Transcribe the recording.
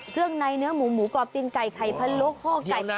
เครื่องไนเนื้อหมูหมูก่อปตีนไก่ไข่พะโลกข้อไก่